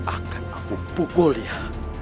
akan aku pukul dia